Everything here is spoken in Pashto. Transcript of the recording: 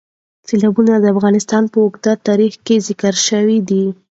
سیلابونه د افغانستان په اوږده تاریخ کې ذکر شوي دي.